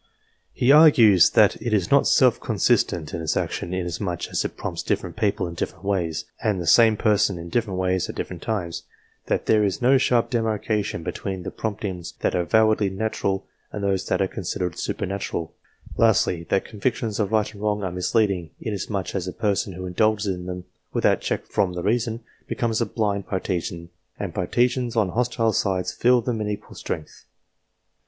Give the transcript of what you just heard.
He argues that it is not self consistent in its action, inasmuch as it prompts different people in different ways, and the same person in different ways at different times ; that there is no sharp demarcation between the promptings that are avowedly natural, and those that are considered super natural ; lastly, that convictions of right and wrong are misleading, inasmuch as a person who indulges in them, without check from the reason, becomes a blind partisan, and partisans on hostile sides feel them in equal strength.